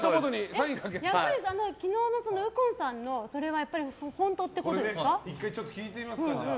昨日の右近さんのそれは本当ってことですかね？